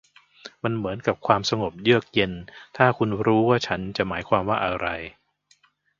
มันเหมือนกับความสงบเยือกเย็น ถ้าคุณรู้ว่าฉันหมายความว่าอะไร